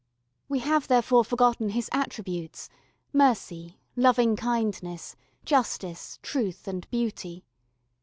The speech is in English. We have therefore forgotten His attributes, mercy, loving kindness, justice, truth, and beauty.